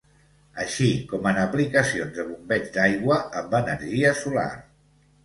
Així com en aplicacions de bombeig d'aigua amb energia solar.